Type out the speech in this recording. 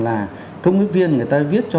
là công nghiệp viên người ta viết cho